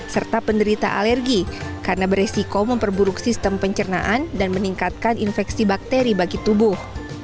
serta penderita alergi karena beresiko memperburuk sistem pencernaan dan meningkatkan infeksi bakteri bagi tubuh